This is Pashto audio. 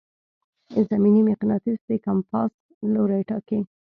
زمیني مقناطیس د کمپاس لوری ټاکي.